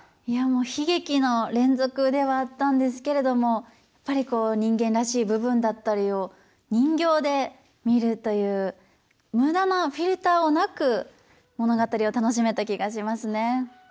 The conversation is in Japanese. いやもう悲劇の連続ではあったんですけれどもやっぱり人間らしい部分だったりを人形で見るという無駄なフィルターもなく物語を楽しめた気がしますね。